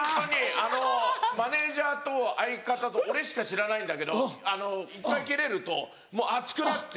あのマネジャーと相方と俺しか知らないんだけど１回キレると熱くなって。